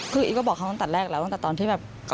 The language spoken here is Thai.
คืออีฟก็บอกเขาตั้งแต่แรกแล้วตั้งแต่ตอนที่แบบ